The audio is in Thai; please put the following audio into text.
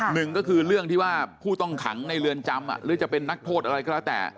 หนึ่งก็คือเรื่องที่ว่าผู้ต้องขังในเรือนจำหรือจะเป็นนักโทษอะไรก็แล้วแต่